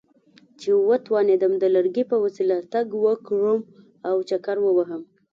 چې وتوانېدم د لرګي په وسیله تګ وکړم او چکر ووهم.